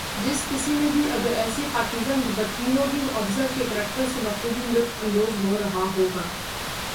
جس کسی نے بھی اگر ایسی پاکیزہ محبت کی ہوگی وہ افضل کے کریکٹر سے بخوبی لطف اندوز ہو رہا ہوگا